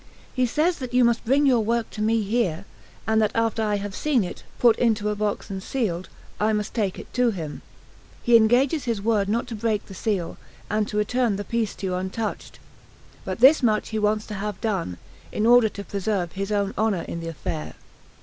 He says that you must bring your work to me here, and that after I have seen it put into a box and sealed, I must take it to him. He engages his word not to break the seal, and to return the piece to you untouched. But this much he wants to have done, in order to preserve his own honour in the affair."